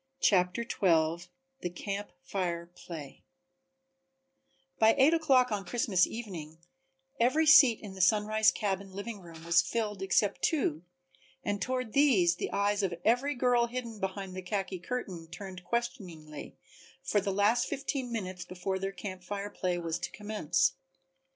CHAPTER XII The Camp Fire Play By eight o'clock on Christmas evening every seat in the Sunrise cabin living room was filled except two, and toward these the eyes of every girl hidden behind the khaki curtain turned questioningly for the last fifteen minutes before their Camp Fire play was to commence.